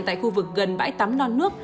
tại khu vực gần bãi tắm non nước